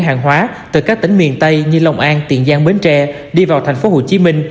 hàng hóa từ các tỉnh miền tây như long an tiền giang bến tre đi vào thành phố hồ chí minh